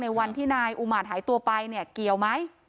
วันที่นายอุมารหายตัวไปเนี่ยเกี่ยวไหม